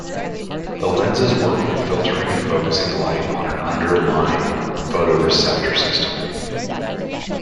The lenses work by filtering and focusing light on an underlying photoreceptor system.